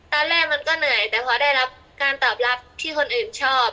ตอนแรกมันก็เหนื่อยแต่พอได้รับการตอบรับที่คนอื่นชอบ